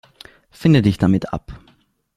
Finde dich damit ab.